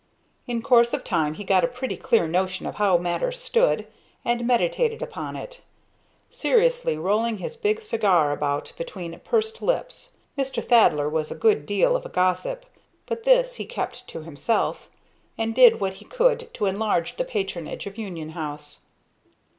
In course of time he got a pretty clear notion of how matters stood, and meditated upon it, seriously rolling his big cigar about between pursed lips. Mr. Thaddler was a good deal of a gossip, but this he kept to himself, and did what he could to enlarge the patronage of Union House.